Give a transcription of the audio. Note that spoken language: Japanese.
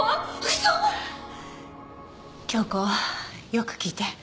京子よく聞いて。